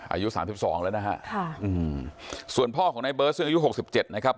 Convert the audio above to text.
อายุสามสิบสองแล้วนะฮะค่ะอืมส่วนพ่อของในเบิร์ตซึ่งอายุหกสิบเจ็ดนะครับ